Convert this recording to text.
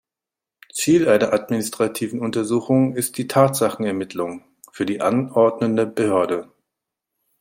Ziel einer administrativen Untersuchung ist die Tatsachenermittlung für die anordnende Behörde.